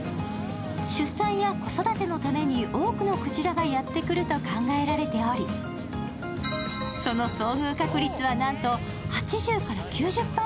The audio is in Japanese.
出産や子育てのために多くのくじらがやってくると考えられており、その遭遇確率は、なんと８０９０％。